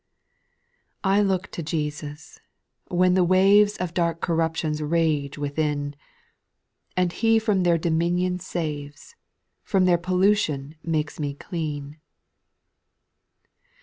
8. I look to Jesus, when the waves Of dark corruptions rage within. And He from their dominion saves. From their pollution makes me clean.